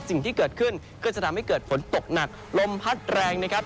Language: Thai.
สิ่งที่เกิดขึ้นก็จะทำให้เกิดฝนตกหนักลมพัดแรงนะครับ